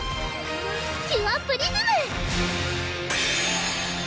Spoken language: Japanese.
キュアプリズム！